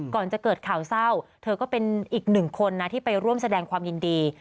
ก่อนจะเกิดข่าวเศร้าเธอก็เป็นอีกหนึ่งคนนะที่ไปร่วมแสดงความยินดี